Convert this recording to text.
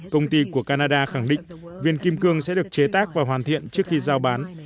công ty của canada khẳng định viên kim cương sẽ được chế tác và hoàn thiện trước khi giao bán